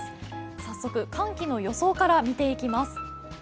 早速、寒気の予想から見ていきます